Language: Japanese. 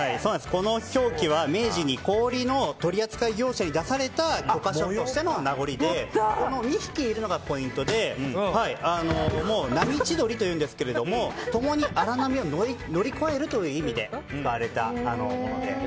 この氷旗は明治に氷の取り扱い業者に出された許可証としての名残でこの２匹いるのがポイントで波千鳥というんですけど共に荒波を乗り越えるという意味で使われたものです。